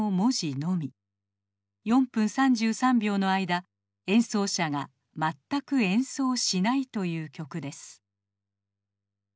４分３３秒の間演奏者が全く演奏をしないという曲です。